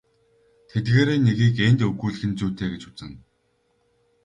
Тэдгээрийн нэгийг энд өгүүлэх нь зүйтэй гэж үзнэ.